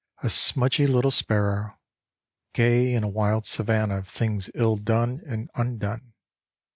a smudgy little sparrow, Gay in a wild savannah of things ill done and undone.